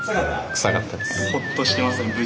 クサかったです。